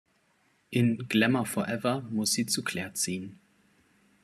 In Glamour Forever muss sie zu Claire ziehen.